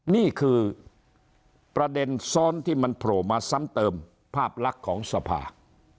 นี่คือประเด็นซ้อนที่มันโผล่มาซ้ำเติมภาพลักษณ์ของสภา